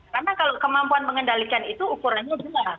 karena kalau kemampuan mengendalikan itu ukurannya berapa